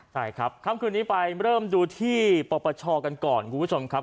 ใช่ครับค่ำคืนนี้ไปเริ่มดูที่ปปชกันก่อนคุณผู้ชมครับ